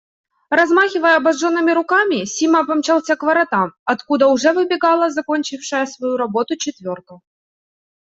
Размахивая обожженными руками, Сима помчался к воротам, откуда уже выбегала закончившая свою работу четверка.